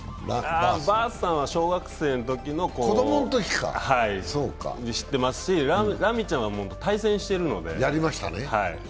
バースさんは小学生のとき知っていますし、ラミちゃんは対戦してるので。